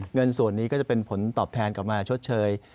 เงินส่วนนี้ก็จะเป็นผลตอบแทนกลับมาชดเชย